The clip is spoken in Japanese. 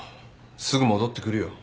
すぐ戻ってくるよ。